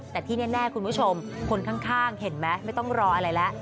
แต่ที่แน่คุณผู้ชมคนข้างเห็นไหมไม่ต้องรออะไรแล้ว